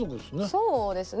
そうですね。